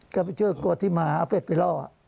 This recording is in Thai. ก็ไปช่วยกลัวที่หมาเอาเป็ดไปล่อ